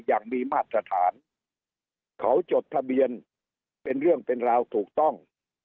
อย่างมีมาตรฐานเขาจดทะเบียนเป็นเรื่องเป็นราวถูกต้อง